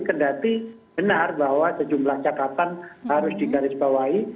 kendati benar bahwa sejumlah catatan harus digarisbawahi